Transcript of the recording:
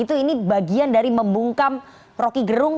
ini bagian dari membungkam roky gerung